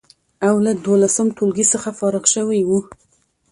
او له دولسم ټولګي څخه فارغ شوی و،